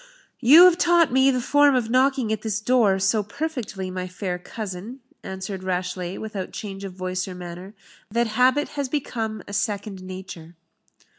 "You have taught me the form of knocking at this door so perfectly, my fair cousin," answered Rashleigh, without change of voice or manner, "that habit has become a second nature."